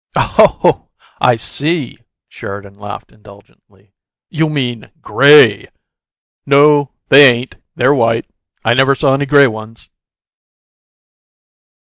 "Oh. I see!" Sheridan laughed indulgently. "You mean 'GRAY.' No, they ain't, they're white. I never saw any gray ones."